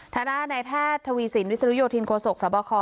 ธนาไนแพทย์ทวีสินวิสินยศยกฏินโคศกสบค